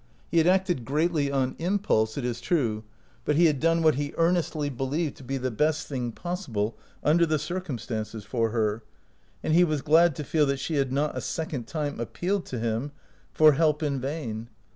He had acted greatly on impulse, it is true, but he had done what he earnestly believed to be the best thing possible under the circum stances for her, and he was glad to feel that she had not a second time appealed to him " 161 OUT OF BOHEMIA for help in vain.